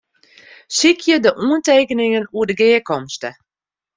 Sykje de oantekeningen oer de gearkomste.